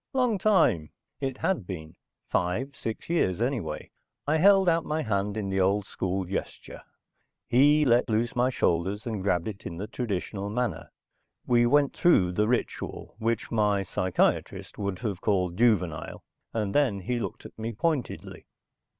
"Long time." It had been. Five six years anyway. I held out my hand in the old school gesture. He let loose my shoulders and grabbed it in the traditional manner. We went through the ritual, which my psychiatrist would have called juvenile, and then he looked at me pointedly.